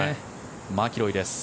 マキロイです。